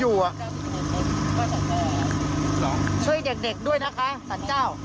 ช่วยเด็กด้วยนะคะสานเจ้า